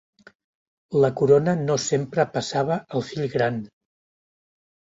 La corona no sempre passava al fill gran.